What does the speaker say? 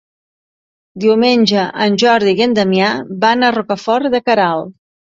Diumenge en Jordi i en Damià van a Rocafort de Queralt.